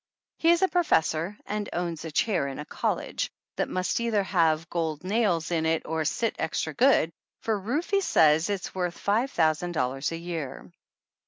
He is a professor and owns a chair in a college that must either have gold nails in it or sit extra good, for Rufe says it is worth five thousand dollars a year.